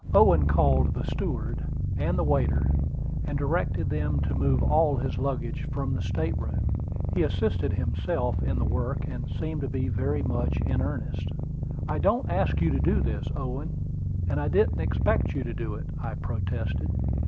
Owen called the steward and the waiter, and directed them to move all his luggage from the state room. He assisted himself in the work, and seemed to be very much in earnest. "I don't ask you to do this, Owen; and I didn't expect you to do it," I protested.